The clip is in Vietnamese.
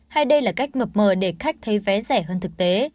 hay đây là cách mập mờ để khách thấy vé rẻ hơn thực tế